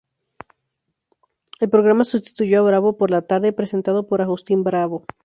El programa sustituyó a "Bravo por la tarde", presentado por Agustín Bravo.